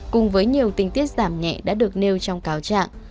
cùng với nhiều tinh tiết giảm nhẹ đã được nêu trong cáo chạm